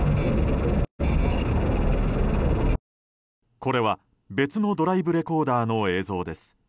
これは、別のドライブレコーダーの映像です。